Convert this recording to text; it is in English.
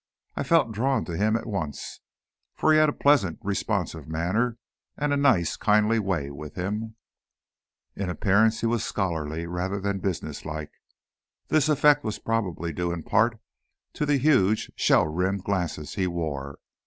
I felt drawn to him at once, for he had a pleasant, responsive manner and a nice, kindly way with him. In appearance, he was scholarly, rather than business like. This effect was probably due in part to the huge shell rimmed glasses he wore.